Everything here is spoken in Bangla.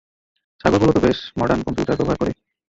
ছাগলগুলো তো বেশ মর্ডান কম্পিউটার ব্যবহার করে।